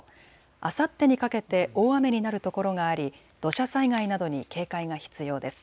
あさってにかけて大雨になる所があり土砂災害などに警戒が必要です。